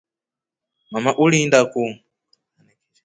Mama ulinda ku.